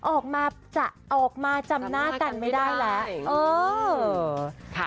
ออกมาจำหน้ากันไม่ได้ละโอ้โห